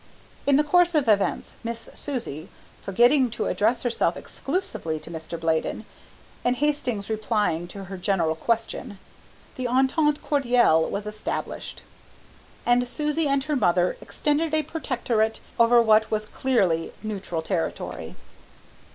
In the course of events Miss Susie, forgetting to address herself exclusively to Mr. Bladen, and Hastings replying to her general question, the entente cordiale was established, and Susie and her mother extended a protectorate over what was clearly neutral territory.